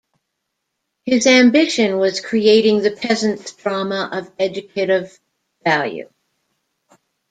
His ambition was creating the peasants' drama of educative value.